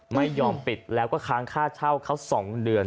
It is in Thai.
ไม่ยอมปิดแล้วก็ค้างค่าเช่าเขา๒เดือน